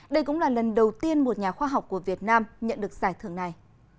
đây cũng là lần đầu tiên một nhà khoa học của việt nam nhận được giải thưởng này